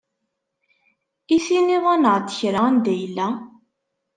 I tinid-aneɣ-d kan anda yella?